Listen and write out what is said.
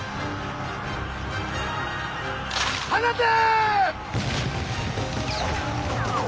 放て！